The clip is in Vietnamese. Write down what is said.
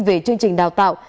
về chương trình đào tạo